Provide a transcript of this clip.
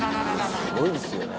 すごいですよね。